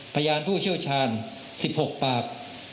พยานผู้เชี่ยวชาญ๑๖ปาก